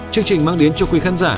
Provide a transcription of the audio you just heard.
chương trình mang đến cho quý khán giả